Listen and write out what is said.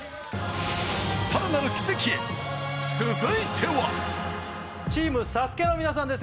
さらなる奇跡へ続いてはチームＳＡＳＵＫＥの皆さんです